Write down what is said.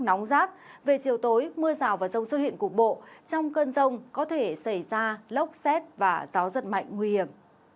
nóng rác về chiều tối mưa rào và rông xuất hiện cục bộ trong cơn rông có thể xảy ra lốc xét và gió giật mạnh nguy hiểm